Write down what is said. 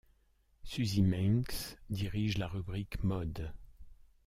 Suzy Menkes dirige la rubrique mode.